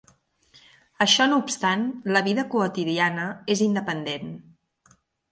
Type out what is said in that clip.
Això no obstant, la vida quotidiana és independent.